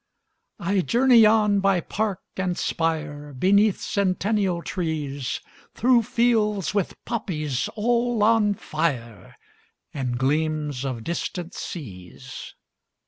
20 I journey on by park and spire, Beneath centennial trees, Through fields with poppies all on fire, And gleams of distant seas.